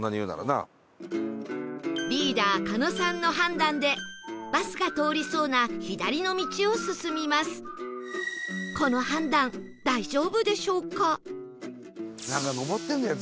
リーダー狩野さんの判断でバスが通りそうな左の道を進みますなんか上ってるんだよ